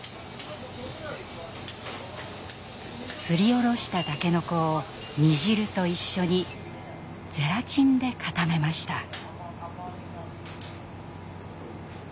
すりおろしたたけのこを煮汁と一緒にゼラチンで固めました。